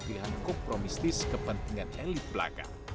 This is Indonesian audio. pilihan kompromistis kepentingan elit belaka